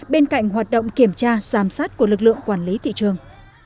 bên cạnh hoạt động kiểm tra giám sát của lực lượng quản lý thị trường